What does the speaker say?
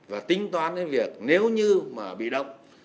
và tinh toán cái việc nếu như mà bị động